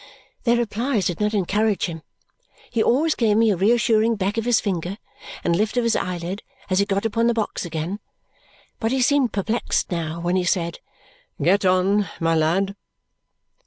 Their replies did not encourage him. He always gave me a reassuring beck of his finger and lift of his eyelid as he got upon the box again, but he seemed perplexed now when he said, "Get on, my lad!"